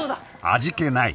味気ない